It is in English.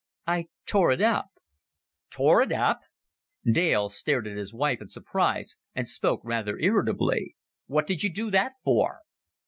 "I tore it up." "Tore it up!" Dale stared at his wife in surprise, and spoke rather irritably. "What did you do that for?"